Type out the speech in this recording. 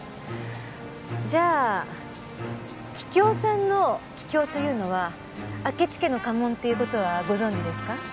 じゃあ桔梗さんの桔梗というのは明智家の家紋っていう事はご存じですか？